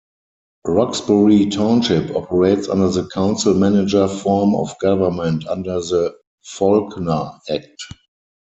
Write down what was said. Roxbury Township operates under the Council-Manager form of Government under the Faulkner Act.